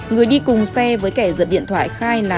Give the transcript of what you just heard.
người đi cùng xe với kẻ giật điện thoại khách nam